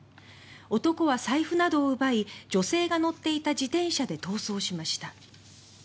男は財布などを奪い女性が乗っていた自転車で逃走しました。